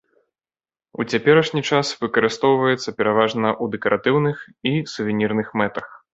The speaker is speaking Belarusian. У цяперашні час выкарыстоўваецца пераважна ў дэкаратыўных і сувенірных мэтах.